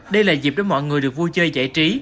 đây là dịp để mọi người được vui chơi giải trí